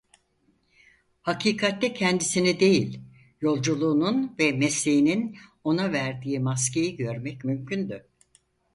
Hakikatte kendisini değil, yolculuğun ve mesleğinin ona verdiği maskeyi görmek mümkündü.